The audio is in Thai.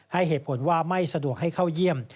ให้เหตุผลว่าไม่สะดวกให้เข้าเยี่ยม